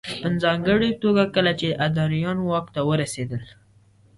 په ځانګړې توګه کله چې ادریان واک ته ورسېدل